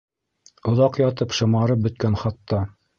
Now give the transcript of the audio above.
Оҙаҡ ятып шымарып бөткән хатта.